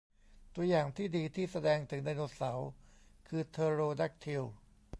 ตัวอย่างที่ดีที่แสดงถึงไดโนเสาร์คือเทอโรแด็กทิล